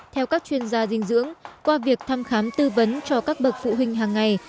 theo các chuyên gia dinh dưỡng qua việc thăm khám tư vấn cho các bậc phụ huynh hàng ngày